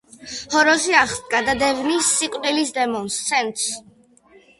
ჰოროსი აღდგა და დევნის სიკვდილის დემონს სეთს.